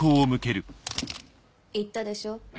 言ったでしょ？